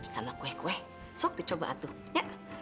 sama kue kue sok dicoba aduh ya